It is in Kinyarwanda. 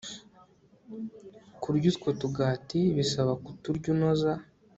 Kurya utwo tugati bisaba kuturya unoza